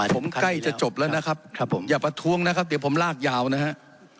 ผมใกล้จะจบแล้วนะครับอย่าไปทวงนะครับเดี๋ยวผมลากยาวนะครับ